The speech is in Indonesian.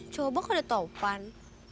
coba kalau ada topan